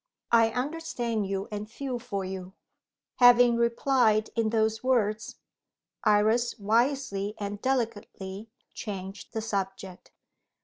"I understand you, and feel for you." Having replied in those words, Iris wisely and delicately changed the subject.